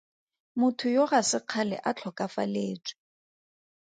Motho yo ga se kgale a tlhokafaletswe.